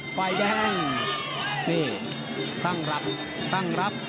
ฝ่ายแดงนี่ตั้งรับตั้งรับ